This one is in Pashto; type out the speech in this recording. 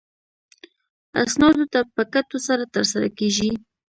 اسنادو ته په کتو سره ترسره کیږي.